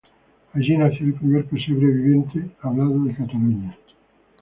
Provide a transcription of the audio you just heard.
Allí nació el primer pesebre viviente hablado de Cataluña.